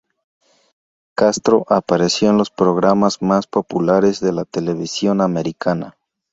Castro apareció en los programas más populares de la televisión americana.